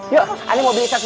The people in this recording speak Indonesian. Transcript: yuk ani mau beli sesuatu